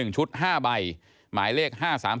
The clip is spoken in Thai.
ชุด๕ใบหมายเลข๕๓๓